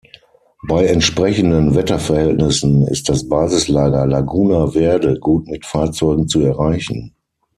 Bei entsprechenden Wetterverhältnissen ist das Basislager Laguna Verde gut mit Fahrzeugen zu erreichen.